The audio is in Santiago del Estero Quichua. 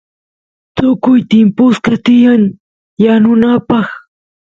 tukuy timpusqa tiyan yanunapaq